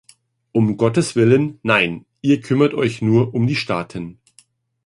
Um Gottes willen, nein, Ihr kümmert Euch nur um die Staaten.